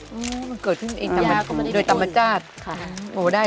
โอ้โหมันเกิดขึ้นเองด้วยธรรมชาติ